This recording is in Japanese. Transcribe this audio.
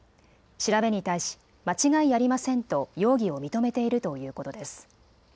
調べに対し間違いありませんと容疑を認めているということです。